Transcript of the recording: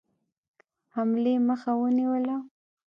حملې مخه ونیوله.